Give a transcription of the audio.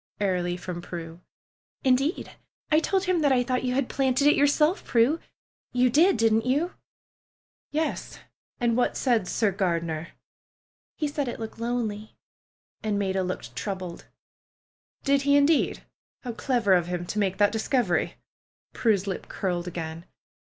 airily from Prue. "Indeed, I told him that I thought you had planted it yourself, Prue ! You did, didn't you ?" "Yes! Aftd what said Sir Gardener?" PRUE'S GARDENER 187 said it looked lonely.'^ And Maida looked troubled. "Did he, indeed? How clever of him to make that discovery!'^ Prue's lip curled again.